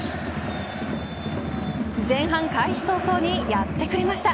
前半開始早々にやってくれました。